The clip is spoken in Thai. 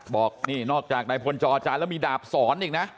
บอกนี่นอกจากใดพลจอจ่ายแล้วมีดาบสอนอีกนะ